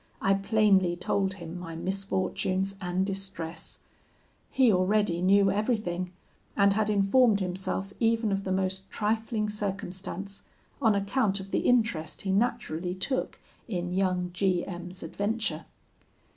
I plainly told him my misfortunes and distress: he already knew everything, and had informed himself even of the most trifling circumstance, on account of the interest he naturally took in young G M 's adventure.